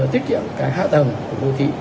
tiết kiệm cái hạ thầng của vô thị